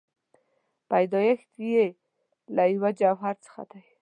پیدایښت یې له یوه جوهر څخه دی.